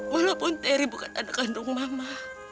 walaupun teri bukan anak kandung mama